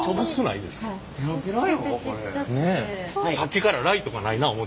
さっきからライトがないな思うてたんです。